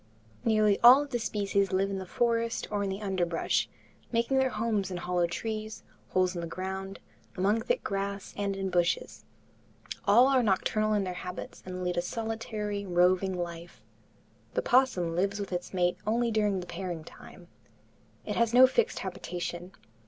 Nearly all of the species live in the forest or in the underbrush, making their homes in hollow trees, holes in the ground, among thick grass and in bushes. All are nocturnal in their habits and lead a solitary, roving life. The opossum lives with its mate only during the pairing time. It has no fixed habitation.